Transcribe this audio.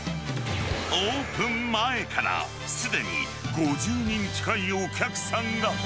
オープン前からすでに５０人近いお客さんが。